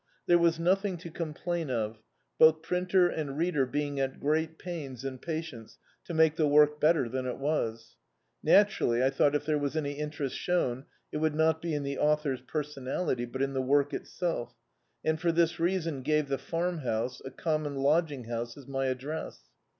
There was nothing to complain of, both printer and reader being at great pains and patience to make the work better than it was. Naturally, I thou^t if there was any interest shown, it would not be in the author's peis(xiality, but in the work itself, and for this reasom, gave the Farmhouse, a ccnnmon lod^ng house, as my address.